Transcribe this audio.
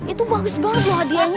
itu bagus banget hadiahnya